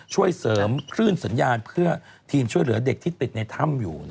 ช่วยเสริมคลื่นสัญญาณเพื่อทีมช่วยเหลือเด็กที่ติดในถ้ำอยู่